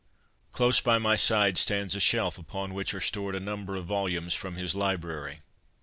Close by my side stands a shelf upon which are stored a number of volumes from his library.